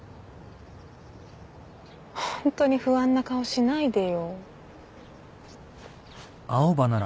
ホントに不安な顔しないでよ。